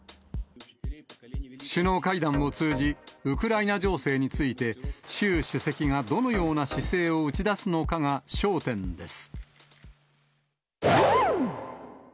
首脳会談を通じ、ウクライナ情勢について、習主席がどのような姿勢を打ち出すのかが焦点です。